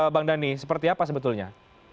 bang dhani seperti apa sebetulnya